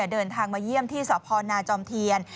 เดินทางมาเยี่ยมที่สพนาจอมเทียน